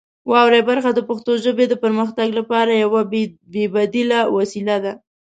واورئ برخه د پښتو ژبې د پرمختګ لپاره یوه بې بدیله وسیله ده.